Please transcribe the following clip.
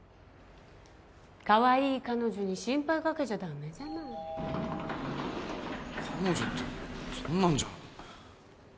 カワイイ彼女に心配かけちゃダメじゃない彼女ってそんなんじゃ